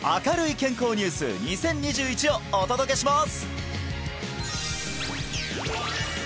健康ニュース２０２１」をお届けします